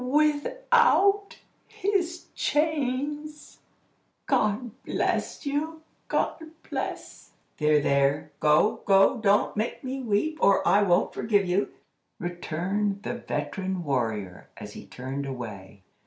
without his chains? God bless you! God bless—" "There, there! Go! go! Don't make me weep, or I won't forgive you," returned the veteran warrior, as he turned away.